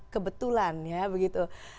kebetulan ya begitu